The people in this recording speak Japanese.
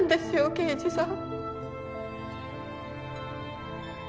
刑事さん。